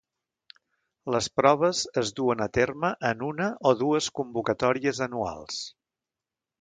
Les proves es duen a terme en una o dues convocatòries anuals.